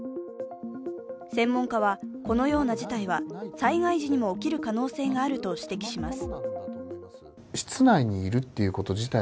専門家は、このような事態は災害時にも起きる可能性があると指摘します。